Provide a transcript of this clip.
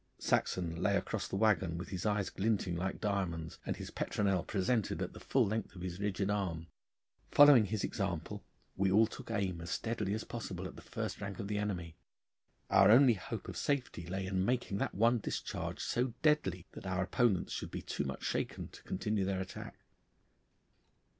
Saxon lay across the waggon with his eyes glinting like diamonds and his petronel presented at the full length of his rigid arm. Following his example we all took aim as steadily as possible at the first rank of the enemy. Our only hope of safety lay in making that one discharge so deadly that our opponents should be too much shaken to continue their attack.